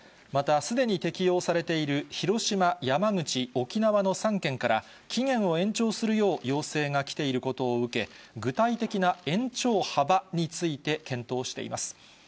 また、すでに適用されている広島、山口、沖縄の３県から、期限を延長するよう要請が来ていることを受け、具体的な延長幅について検討しています。